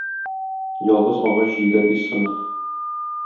Ялгыз агач җилдә тиз сына.